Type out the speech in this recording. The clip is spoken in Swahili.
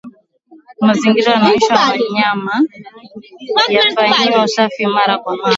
Mazingira wanayoishi wanyama yafanyiwe usafi mara kwa mara